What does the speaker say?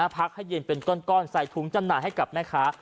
พักให้เย็นเป็นก้อนใส่ถุงจำหน่ายให้กับแม่ค้า